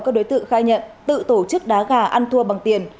các đối tượng khai nhận tự tổ chức đá gà ăn thua bằng tiền